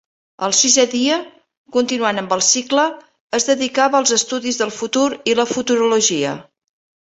El sisè dia, continuant amb el cicle, es dedicava als estudis del futur i la futurologia.